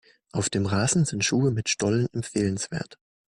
Auf dem Rasen sind Schuhe mit Stollen empfehlenswert.